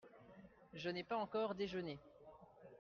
Je n'ai pas encore déjeuné.